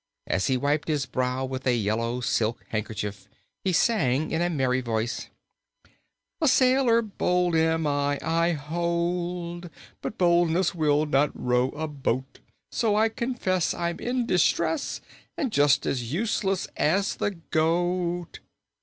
As he wiped his brow with a yellow silk handkerchief he sang in a merry voice: "A sailor bold am I, I hold, But boldness will not row a boat. So I confess I'm in distress And just as useless as the goat."